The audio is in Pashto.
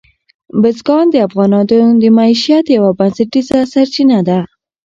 بزګان د افغانانو د معیشت یوه بنسټیزه سرچینه ده.